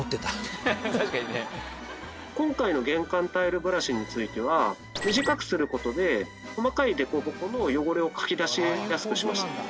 今回の玄関タイルブラシについては短くする事で細かい凸凹の汚れをかき出しやすくしました。